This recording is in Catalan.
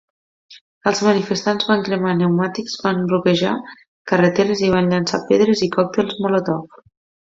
Els manifestants van cremar pneumàtics, van bloquejar carreteres i van llançar pedres i còctels Molotov.